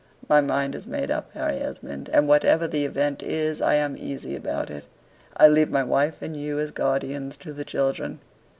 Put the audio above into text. My mind is made up, Harry Esmond, and whatever the event is, I am easy about it. I leave my wife and you as guardians to the children."